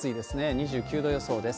２９度予想です。